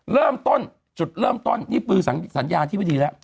เริ่มต้นจุดเริ่มต้นนี่คือสัญญาณที่ไม่ดีแล้ว